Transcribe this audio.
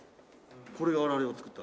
これが我々が造った。